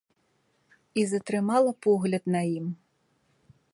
І затрымала погляд на ім.